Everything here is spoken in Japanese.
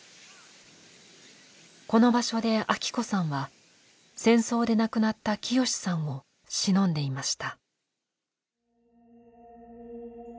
この場所でアキ子さんは戦争で亡くなった潔さんをしのんでいました。